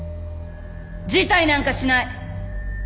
辞退なんかしない。